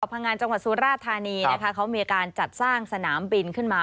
พังงานจังหวัดสุราธานีนะคะเขามีการจัดสร้างสนามบินขึ้นมา